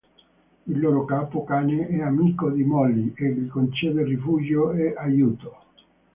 Il loro capo, Cane, è amico di Molly e gli concede rifugio e aiuto.